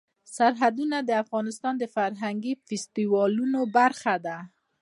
سرحدونه د افغانستان د فرهنګي فستیوالونو برخه ده.